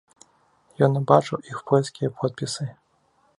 Ён убачыў іх польскія подпісы.